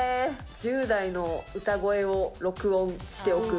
１０代の歌声を録音しておく。